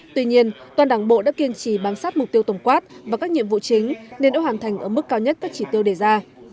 tuy nhiên toàn đảng bộ đã kiên trì bám sát mục tiêu tổng quát và các nhiệm vụ chính nên đã hoàn thành ở mức cao nhất các chỉ tiêu đề ra